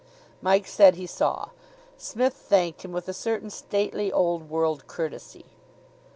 Mike said he saw. Psmith thanked him with a certain stately old world courtesy.